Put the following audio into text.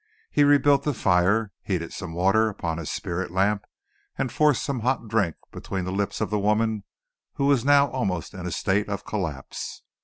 He rebuilt the fire, heated some water upon his spirit lamp, and forced some hot drink between the lips of the woman who was now almost in a state of collapse.